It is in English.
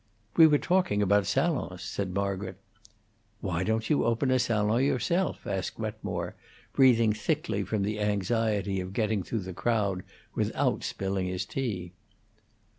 "We were talking about salons," said Margaret. "Why don't you open a salon yourself?" asked Wetmore, breathing thickly from the anxiety of getting through the crowd without spilling his tea.